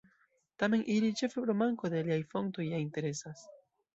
Tamen ili, ĉefe pro manko de aliaj fontoj, ja interesas.